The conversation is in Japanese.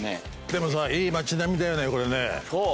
でもさいい町並みだよねこれね。